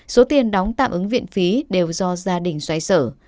số tiền đóng tạm ứng viện phí đều do gia đình xoay sở